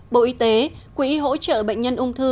bộ y tế quỹ hỗ trợ bệnh nhân ung thư